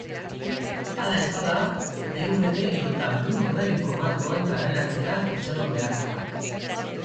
Hala ez bada, dvd edota blue-ray formatuan kaleratzera itxaron beharko da.